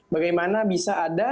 bagaimana bisa ada